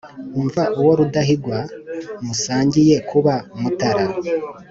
Umva uwo Rudahigwa musangiye kuba Mutara,